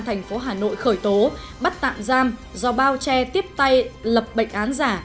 tp hcm khởi tố bắt tạm giam do bao che tiếp tay lập bệnh án giả